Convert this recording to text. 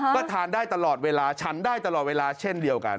ก็ทานได้ตลอดเวลาฉันได้ตลอดเวลาเช่นเดียวกัน